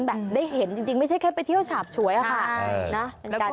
แบบได้เห็นจริงไม่ใช่แค่ไปเที่ยวฉาบฉวยอะค่ะ